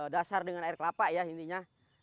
dasar dengan air kelapa ya intinya